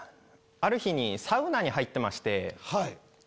ある日にサウナに入ってまして。